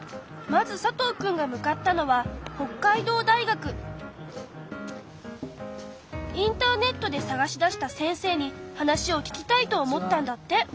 まず佐藤くんが向かったのはインターネットでさがし出した先生に話を聞きたいと思ったんだって。